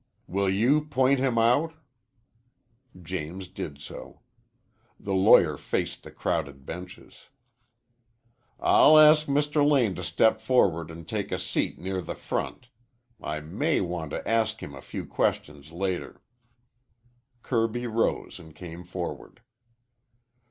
"Will you point him out?" James did so. The lawyer faced the crowded benches. "I'll ask Mr. Lane to step forward and take a seat near the front. I may want to ask him a few questions later." Kirby rose and came forward.